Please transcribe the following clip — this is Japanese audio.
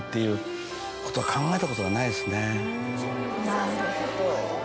なるほど。